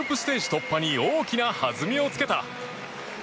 突破に大きな弾みをつけた。